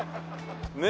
ねえ。